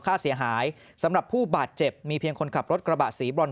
ค่าเสียหายสำหรับผู้บาดเจ็บมีเพียงคนขับรถกระบะสีบรอน